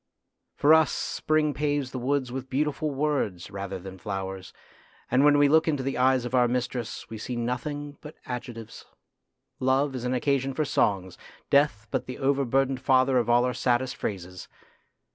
For us Spring paves the woods with beautiful words rather than flowers, and when we look into the eyes of our mistress we see nothing but adjectives. Love is an occasion for songs ; Death but the overburdened father of all our saddest phrases.